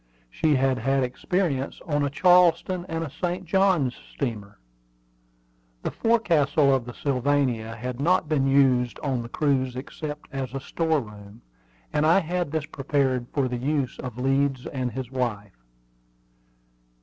She had had experience on a Charleston and a St. Johns steamer. The forecastle of the Sylvania had not been used on the cruise except as a store room, and I had this prepared for the use of Leeds and his wife.